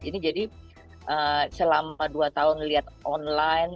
ini jadi selama dua tahun lihat online